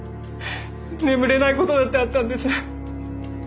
眠れないことだってあったんです。